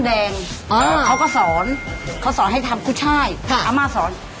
แต่เค้าก็สอนสอนให้ทำอามาสอน